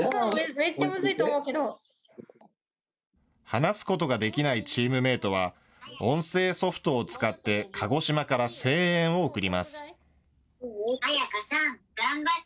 話すことができないチームメートは音声ソフトを使って鹿児島から声援を送ります。